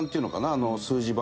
あの数字盤？